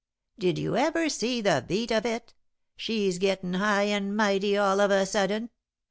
"Did you ever see the beat of it? She's getting high and mighty all of a sudden.